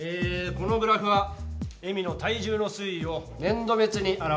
このグラフは恵美の体重の推移を年度別に表したものだ。